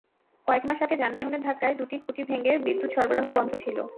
কয়েক মাস আগে যানবাহনের ধাক্কায় দুটি খুঁটি ভেঙে বিদ্যুৎ সরবরাহ বন্ধ ছিল।